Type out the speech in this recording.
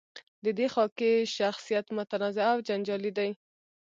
د دې خاکې شخصیت متنازعه او جنجالي دی.